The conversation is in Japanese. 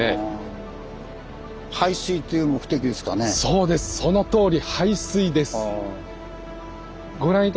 そうですそのとおり！